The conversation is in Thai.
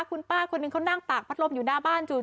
คุณป้าคนหนึ่งเขานั่งตากพัดลมอยู่หน้าบ้านจู่